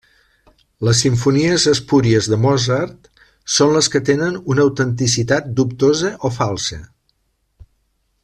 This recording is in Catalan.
Les simfonies espúries de Mozart són les que tenen una autenticitat dubtosa o falsa.